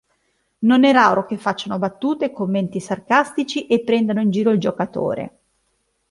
Non è raro che facciano battute, commenti sarcastici e prendano in giro il giocatore.